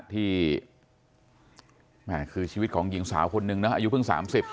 ที่คือชีวิตของหญิงสาวคนนึงนะอายุเพิ่ง๓๐